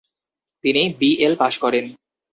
তিনি B L পাশ করেন।